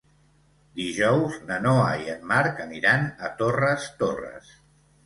Dijous na Noa i en Marc aniran a Torres Torres.